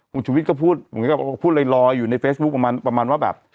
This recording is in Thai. คุณชูวิทย์ก็พูดอยู่ในเฟซบุ๊คประมาณว่าแบบ